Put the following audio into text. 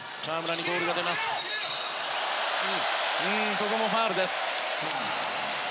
ここもファウル。